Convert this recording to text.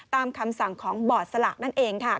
ตามคำสั่งของบอร์ดสลากนั่นเองค่ะ